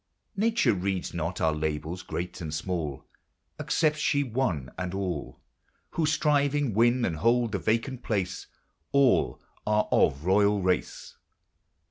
Nature reads not our labels, " great n and " small "; Accepts she one and all Who, striving, win and hold the vacant place ; All are of royal race.